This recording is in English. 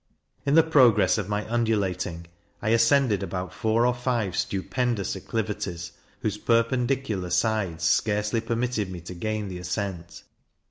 In the progress of my undulating, I ascended about four or five stupendous acclivities, whose perpendicular sides scarcely permitted me to gain the ascent.